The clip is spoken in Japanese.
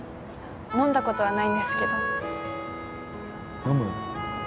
飲んだことはないんですけど飲む？